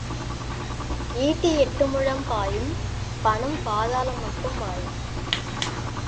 ஈட்டி எட்டு முழம் பாயும், பணம் பாதாளம் மட்டும் பாயும்.